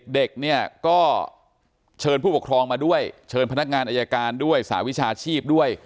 เด็กเนี่ยก็เชิญผู้ปกครองมาด้วยเชิญพนักงานอายการด้วยสหวิชาชีพด้วย